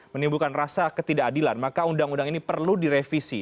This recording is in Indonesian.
menimbulkan rasa ketidakadilan maka undang undang ini perlu direvisi